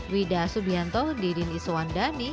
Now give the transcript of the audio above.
wida subianto didin iswandani